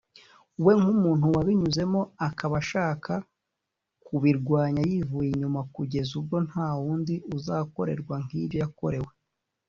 we nk’umuntu wabinyuzemo akaba ashaka kubirwanya yivuye inyuma kugeza ubwo nta wundi uzakorerwa nk’ibyo yakorewe